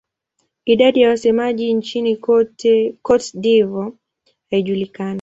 Idadi ya wasemaji nchini Cote d'Ivoire haijulikani.